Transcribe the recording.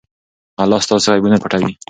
الله ستاسو عیبونه پټوي.